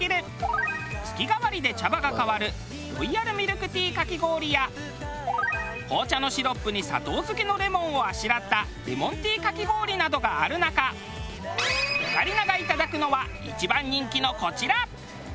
月替わりで茶葉が変わるロイヤルミルクティーかき氷や紅茶のシロップに砂糖漬けのレモンをあしらったレモンティーかき氷などがある中オカリナがいただくのは一番人気のこちら。